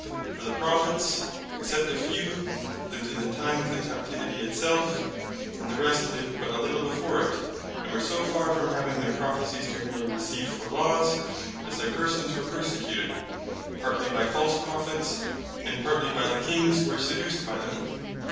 For the Prophets (except a few) lived in the time of the Captivity it selfe; and the rest lived but a little before it; and were so far from having their Prophecies generally received for Laws, as that their persons were persecuted, partly by false Prophets, and partly by the Kings which were seduced by them.